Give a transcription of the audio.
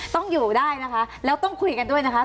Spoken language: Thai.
ต้องอยู่ได้นะคะแล้วต้องคุยกันด้วยนะคะ